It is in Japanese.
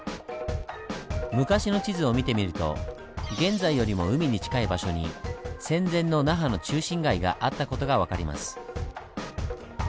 昔の地図を見てみると現在よりも海に近い場所に戦前の那覇の中心街があった事が分かります。